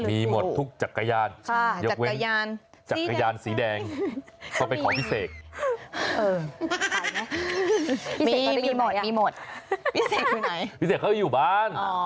มีหมดทุกจักรยาน